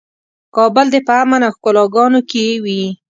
کابل دې په امن او ښکلاګانو کې وي.